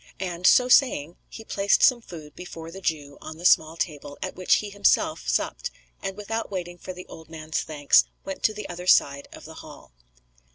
And, so saying, he placed some food before the Jew on the small table at which he had himself supped, and, without waiting for the old man's thanks, went to the other side of the hall.